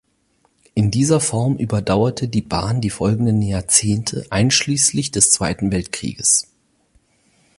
In dieser Form überdauerte die Bahn die folgenden Jahrzehnte einschließlich des Zweiten Weltkrieges.